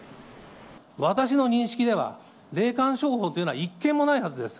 私の認識では、霊感商法というのは一件もないはずです。